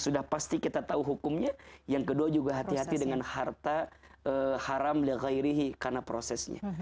sudah pasti kita tahu hukumnya yang kedua juga ti hakm harta haramla ghairihi karena prosesnya